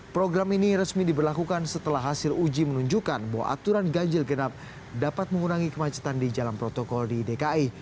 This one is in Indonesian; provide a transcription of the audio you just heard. program ini resmi diberlakukan setelah hasil uji menunjukkan bahwa aturan ganjil genap dapat mengurangi kemacetan di jalan protokol di dki